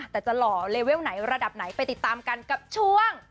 แต่จะหล่อเลเวลไหนระดับไหนไปติดตามกันกับช่วง